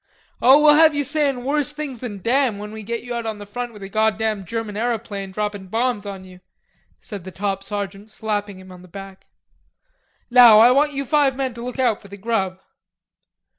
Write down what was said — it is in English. "Oh, we'll have you sayin' worse things than 'damn' when we get you out on the front with a goddam German aeroplane droppin' bombs on you," said the top sergeant, slapping him on the back. "Now, I want you five men to look out for the grub."